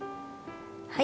はい。